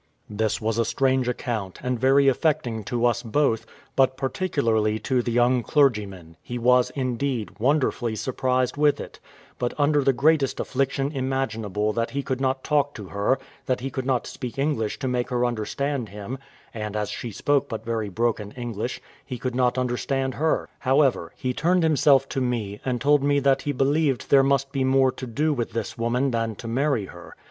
This was a strange account, and very affecting to us both, but particularly to the young clergyman; he was, indeed, wonderfully surprised with it, but under the greatest affliction imaginable that he could not talk to her, that he could not speak English to make her understand him; and as she spoke but very broken English, he could not understand her; however, he turned himself to me, and told me that he believed that there must be more to do with this woman than to marry her.